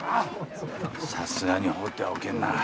さすがに放ってはおけんな。